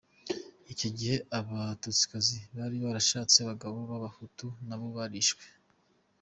Icyo gihe abatutsikazi bari barashatse abagabo b’abahutu nabo barishwe.